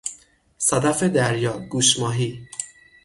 صدف دریا، گوش ماهی